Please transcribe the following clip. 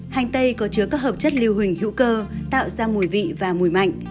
hành tây có chứa các hợp chất lưu hình hữu cơ tạo ra mùi vị và mùi mạnh